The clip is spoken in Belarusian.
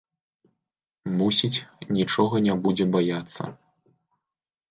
Мусіць, нічога не будзе баяцца.